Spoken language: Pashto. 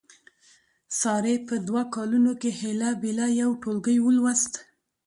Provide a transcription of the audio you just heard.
سارې په دوه کالونو کې هیله بیله یو ټولګی ولوست.